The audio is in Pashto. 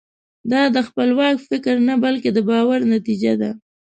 دا د خپلواک فکر نه بلکې د باور نتیجه ده.